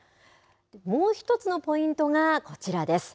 もう１つのポイントがこちらです。